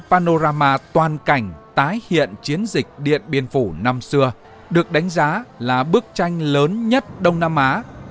panorama toàn cảnh tái hiện chiến dịch điện biên phủ năm xưa được đánh giá là bức tranh lớn nhất đông nam á